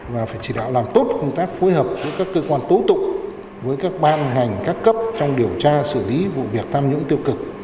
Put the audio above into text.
và phải chỉ đạo làm tốt công tác phối hợp giữa các cơ quan tố tụng với các ban ngành các cấp trong điều tra xử lý vụ việc tham nhũng tiêu cực